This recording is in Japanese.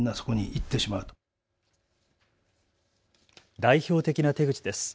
代表的な手口です。